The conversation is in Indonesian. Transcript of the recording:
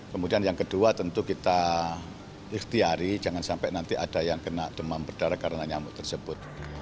kemudian yang kedua tentu kita ikhtiari jangan sampai nanti ada yang kena demam berdarah karena nyamuk tersebut